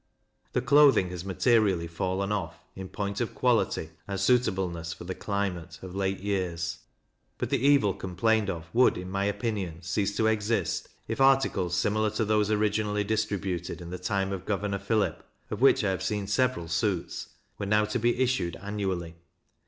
The clothing has materially fallen off, in point of quality and suitableness for the climate, of late years; but the evil complained of would, in my opinion, cease to exist, if articles similar to those originally distributed in the time of Governor Phillip (of which I have seen several suits) were now to be issued annually.